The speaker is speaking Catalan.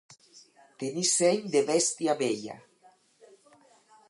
Tenir seny de bèstia vella.